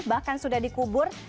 bahkan sudah dikubur